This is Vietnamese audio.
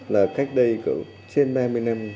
là cách đây có trên ba mươi năm